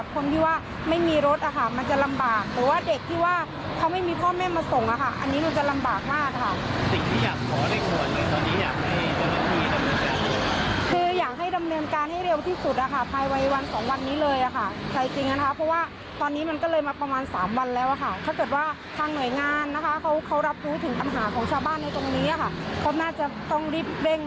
เขาน่าจะต้องรีบเร่งมาแก้ไขปัญหาจุดนี้